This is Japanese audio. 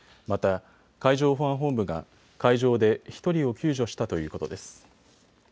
また海上保安本部が海上で１人を救助したということです。